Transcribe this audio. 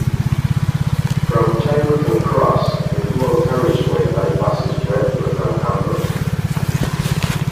From Chiverton Cross, the dual carriageway bypasses Redruth and Camborne.